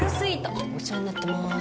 お世話になってます。